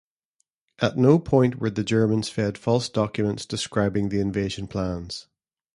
At no point were the Germans fed false documents describing the invasion plans.